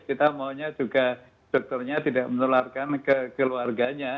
kita maunya juga dokternya tidak menularkan ke keluarganya